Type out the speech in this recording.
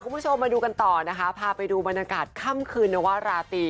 คุณผู้ชมมาดูกันต่อพาไปดูบรรณากาศค่ำคืนหรือว่าระตี